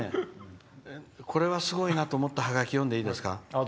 これはすごいなと思ったハガキを読んでいいですか。